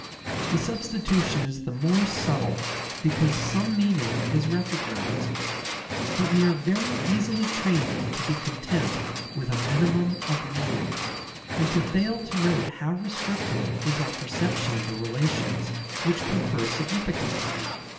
The substitution is the more subtle because some meaning is recognized. But we are very easily trained to be content with a minimum of meaning, and to fail to note how restricted is our perception of the relations which confer significance.